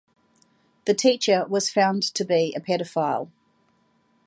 The teacher was found to be a paedophile.